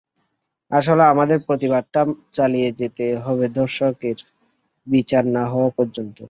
আসলে আমাদের প্রতিবাদটা চালিয়ে যেতে হবে ধর্ষকের বিচার না হওয়া পর্যন্ত।